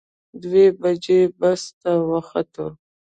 دوه بجې بس ته وختو.